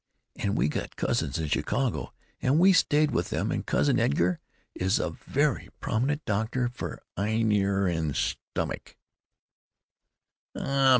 And we got cousins in Chicago and we stayed with them, and Cousin Edgar is a very prominent doctor for eyenear and stummick."